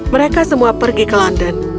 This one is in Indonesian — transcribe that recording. mereka semua pergi ke london